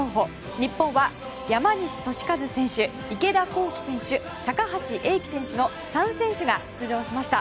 日本は山西利和選手、池田向希選手高橋英輝選手の３選手が出場しました。